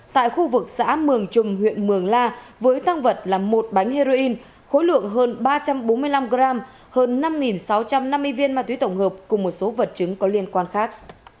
tại khu vực xã mường trung huyện mường la với tăng vật là một bánh heroin khối lượng hơn ba trăm bốn mươi năm g hơn năm sáu trăm năm mươi viên ma túy tổng hợp cùng một số vật chứng có liên quan khác